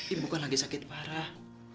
ibu kan lagi sakit parah